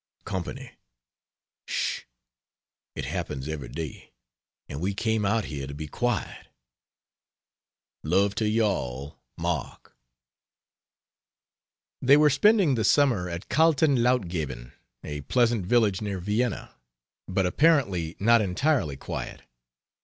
Company! (Sh! it happens every day and we came out here to be quiet.) Love to you all. MARK. They were spending the summer at Kaltenleutgeben, a pleasant village near Vienna, but apparently not entirely quiet.